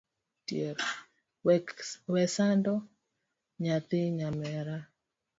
Wek sando nyathi nyamera.